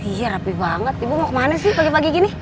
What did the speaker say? iya rapi banget ibu mau kemana sih pagi pagi gini